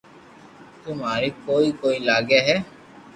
تو اماري ڪوئي ڪوئي لاگو ھي